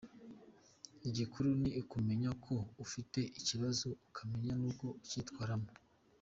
Igikuru ni ukumenya ko ufite ikibazo ukamenya n’uko ucyitwaramo.